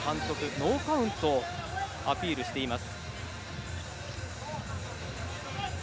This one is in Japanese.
ノーカウントをアピールしています。